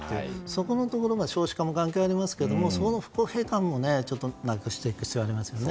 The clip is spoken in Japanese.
そこのところが少子化も関係ありますけれどもその不公平感もなくしていく必要がありますね。